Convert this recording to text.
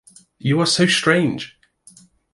You are so strange!